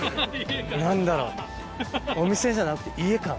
何だろうお店じゃなくて家感。